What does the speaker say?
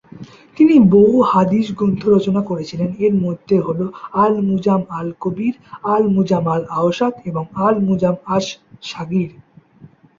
তিনি বহু হাদীস গ্রন্থ রচনা করেছিলেন, এর মধ্যে হল- আল-মু'জাম আল-কবির, আল-মুজাম আল-আওসাত এবং আল-মুজাম আস-সাগীর।